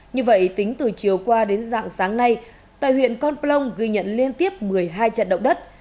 như vậy tính từ chiều qua đến dạng sáng nay tại huyện con plong ghi nhận liên tiếp một mươi hai trận động đất